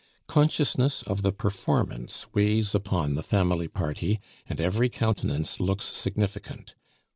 Consciousness of the performance weighs upon the family party, and every countenance looks significant.